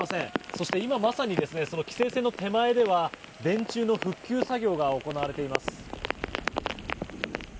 そして今まさに規制線の手前では電柱の復旧作業が行われています。